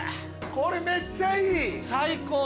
これめっちゃいい。最高。